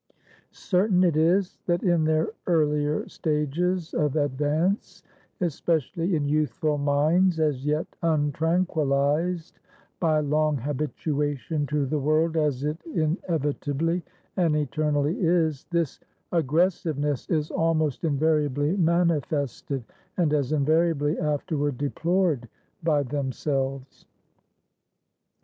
Certain it is, that in their earlier stages of advance, especially in youthful minds, as yet untranquilized by long habituation to the world as it inevitably and eternally is; this aggressiveness is almost invariably manifested, and as invariably afterward deplored by themselves.